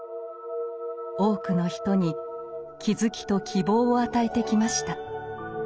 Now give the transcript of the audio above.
多くの人に気付きと希望を与えてきました。